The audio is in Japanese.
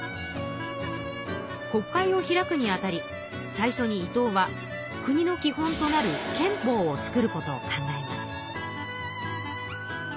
国会を開くにあたり最初に伊藤は国の基本となる憲法を作ることを考えます。